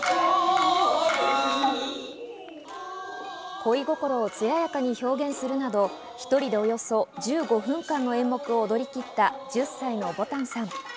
恋心を艶やかに表現するなど、１人でおよそ１５分間の演目を踊り切った１０歳のぼたんさん。